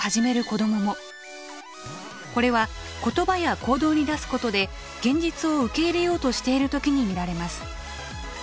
これは言葉や行動に出すことで現実を受け入れようとしている時に見られます。